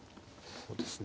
そうですね。